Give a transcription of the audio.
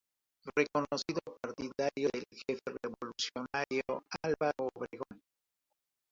Reconocido partidario del jefe revolucionario Álvaro Obregón.